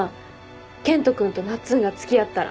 健人君となっつんが付き合ったら。